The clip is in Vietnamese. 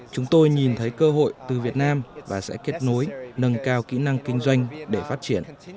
chúng tôi nhìn thấy cơ hội từ việt nam và sẽ kết nối nâng cao kỹ năng kinh doanh để phát triển